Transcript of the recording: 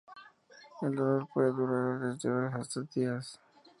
El dolor puede durar desde horas hasta días.